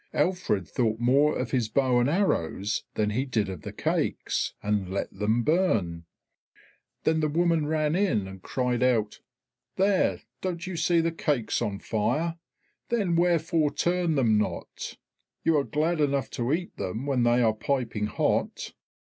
Alfred thought more of his bow and arrows than he did of the cakes, and let them burn. Then the woman ran in and cried out, "There, don't you see the cakes on fire? Then wherefore turn them not? You are glad enough to eat them when they are piping hot."